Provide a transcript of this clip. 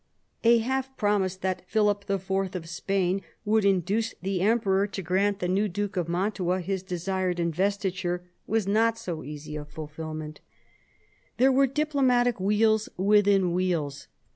A half promise that Philip IV. of Spain would induce the Emperor to grant the new Duke of Mantua his desired investiture was not so easy of fulfilment. 198 CARDINAL DE RICHELIEU There were diplomatic wheels within wheels.